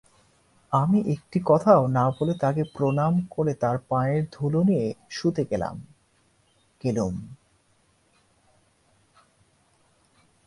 আমি একটি কথাও না বলে তাঁকে প্রণাম করে তাঁর পায়ের ধুলো নিয়ে শুতে গেলুম।